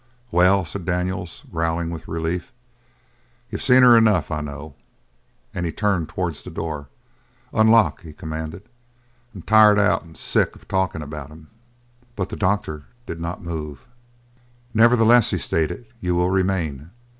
"Well," said Daniels, growling with relief, "you've seen her enough. I know." And he turned towards the door. "Unlock," he commanded. "I'm tired out and sick of talking about him." But the doctor did not move. "Nevertheless," he stated, "you will remain.